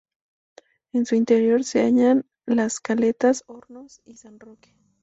En su interior se hallan las caletas Hornos y San Roque.